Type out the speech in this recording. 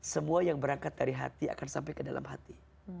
semua yang berangkat dari hati akan sampai ke dalam hati